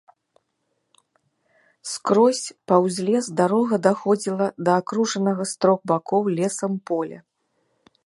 Скрозь паўз лес дарога даходзіла да акружанага з трох бакоў лесам поля.